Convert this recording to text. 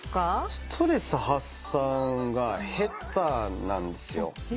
ストレス発散が下手なんですよ。